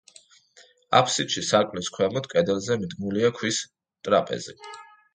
აფსიდში, სარკმლის ქვემოთ, კედელზე, მიდგმულია ქვის ტრაპეზი.